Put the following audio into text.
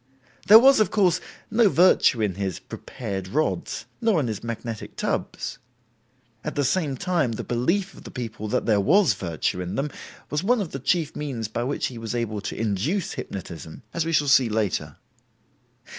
There was, of course, no virtue in his "prepared" rods, nor in his magnetic tubs. At the same time the belief of the people that there was virtue in them was one of the chief means by which he was able to induce hypnotism, as we shall see later.